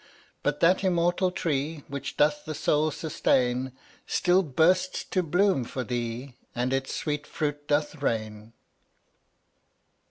But that immortal Tree Which doth the soul sustain Still bursts to bloom for thee, And its sweet fruit doth rain.